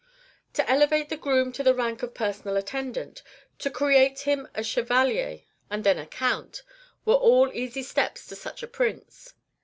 To elevate the groom to the rank of personal attendant, to create him a Chevalier, and then a Count, were all easy steps to such a Prince.